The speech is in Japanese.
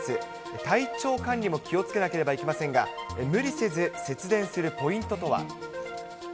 体調管理も気をつけなければいけませんが、無理せず節電するポイントとは。